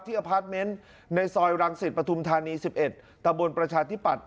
ที่อพาร์ทเม้นท์ในซอยรังศิษย์ประทุมธานีสิบเอ็ดตะบลประชาธิปัชฬ์